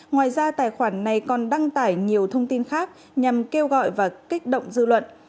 ngoài ra tài khoản này còn đăng tải nhiều thông tin khác nhằm kêu gọi và kích động dư luận